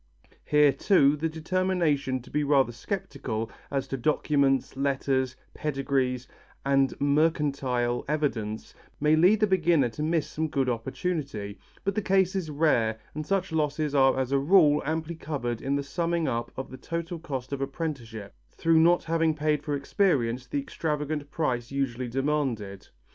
Here, too, the determination to be rather sceptical as to documents, letters, pedigrees and mercantile evidence may lead the beginner to miss some good opportunity, but the case is rare and such losses are as a rule amply covered in the summing up of the total cost of apprenticeship, through not having paid for experience the extravagant price usually demanded.